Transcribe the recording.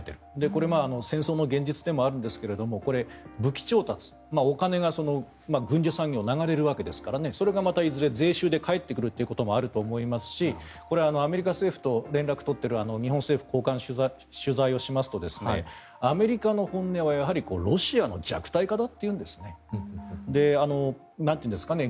これ、戦争の現実でもあるんですが武器調達、お金が軍需産業に流れるわけですからそれがいずれ税収で返ってくるということもあると思いますしこれ、アメリカ政府と連絡を取っている日本政府高官を取材しますとアメリカの本音はロシアの弱体化だというんですね。